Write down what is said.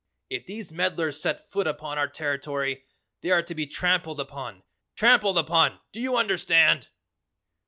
If these meddlers set foot upon our territory they are to be trampled upon, trampled upon do you understand?"